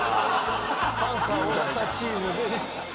パンサー尾形チームで。